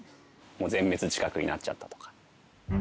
もう全滅近くになっちゃったとか。